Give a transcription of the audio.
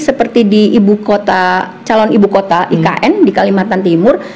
seperti di calon ibu kota ikn di kalimantan timur